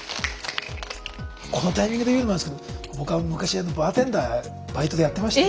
このタイミングで言うのもなんですけど僕は昔バーテンダーバイトでやってまして。